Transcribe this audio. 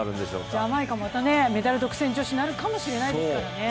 ジャマイカ、またメダル独占女子、なるかもしれないですからね。